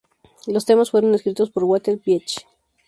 Los temas fueron escritos por Walter Pietsch.